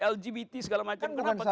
lgbt segala macam